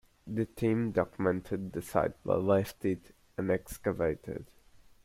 The team documented the site but left it unexcavated.